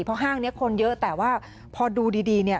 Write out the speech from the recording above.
เพราะห้างนี้คนเยอะแต่ว่าพอดูดีเนี่ย